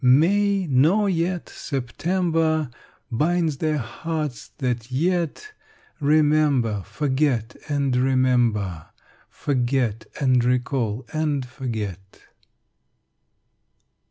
May nor yet September Binds their hearts, that yet Remember, forget, and remember, Forget, and recall, and forget.